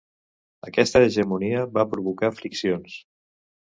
Aquesta hegemonia va provocar friccions.